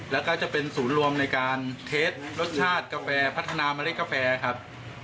แล้วก็จะเป็นศูนย์รวมในการเทสรสชาติกาแฟพัฒนาเมล็ดกาแฟครับ